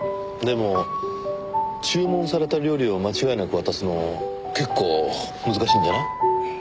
でも注文された料理を間違いなく渡すの結構難しいんじゃない？